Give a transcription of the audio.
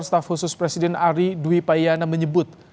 staf khusus presiden ari dwi payana menyebut